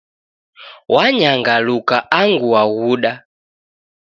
Wanyangaluka angu waghuda.